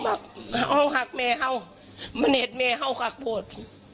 เฮ้าหักแม่เฮ้ามันเห็นแม่เฮ้าหักบูรณ์